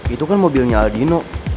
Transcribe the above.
itu kan mobilnya aldino